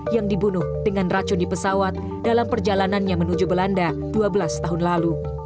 yang dibunuh dengan racun di pesawat dalam perjalanannya menuju belanda dua belas tahun lalu